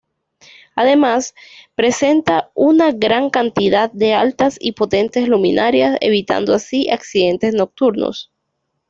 Además, presenta una gran cantidad de altas y potentes luminarias, evitando así, accidentes nocturnos.